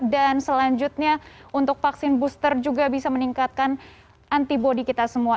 dan selanjutnya untuk vaksin booster juga bisa meningkatkan antibody kita semua